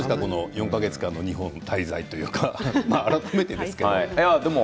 ４か月間日本に滞在というか改めてですけど。